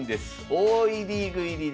王位リーグ入りで。